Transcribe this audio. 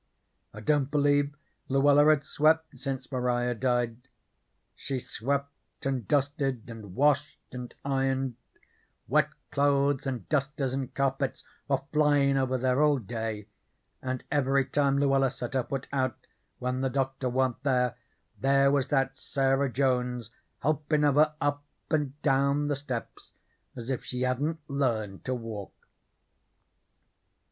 I don't believe Luella had swept since Maria died. She swept and dusted, and washed and ironed; wet clothes and dusters and carpets were flyin' over there all day, and every time Luella set her foot out when the Doctor wa'n't there there was that Sarah Jones helpin' of her up and down the steps, as if she hadn't learned to walk.